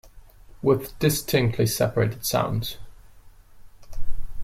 With distinctly separated sounds.